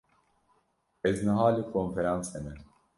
Ez niha li konferansê me.